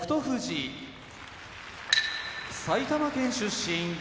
富士埼玉県出身